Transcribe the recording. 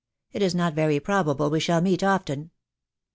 It is not very probable we shall meet often."